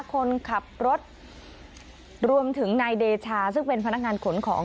คนขับรถรวมถึงนายเดชาซึ่งเป็นพนักงานขนของ